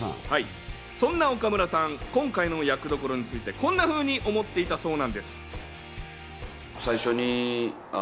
そんな岡村さん、今回の役どころについてこんなふうに思っていたそうなんです。